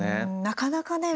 なかなかね